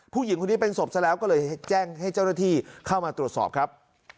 ผู้หญิงคนนี้เป็นศพซะแล้วก็เลยแจ้งให้เจ้าหน้าที่เข้ามาตรวจสอบครับ